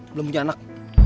belum punya anak